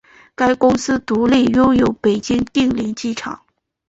该公司独立拥有北京定陵机场。